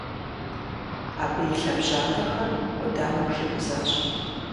Абы и лъэбжьанэхэр къудамэм хикъузащ.